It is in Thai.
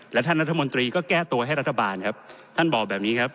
และท่านรัฐมนตรีก็แก้ตัวให้รัฐบาลครับท่านบอกแบบนี้ครับ